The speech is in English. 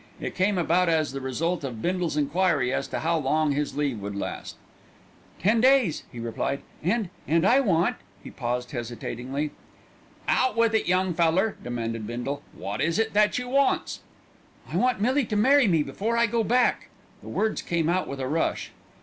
It came about as the result of Bindle's enquiry as to how long his leave would last. "Ten days," he replied, "and and I want " He paused hesitatingly. "Out with it, young feller," demanded Bindle. "Wot is it that you wants?" "I want Millie to marry me before I go back." The words came out with a rush.